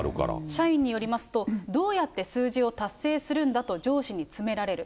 社員によりますと、どうやって数字を達成するんだと上司に詰められる。